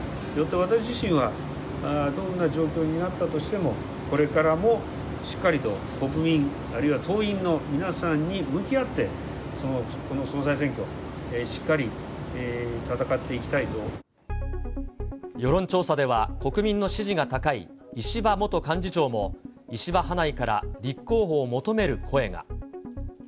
私自身は、どんな状況になったとしても、これからもしっかりと国民、あるいは党員の皆さんに向き合って、この総裁選挙、世論調査では、国民の支持が高い石破元幹事長も、石破派内から立候補を求める声が。